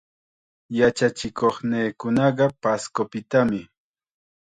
Yachachikuqniikunaqa Pascopitam.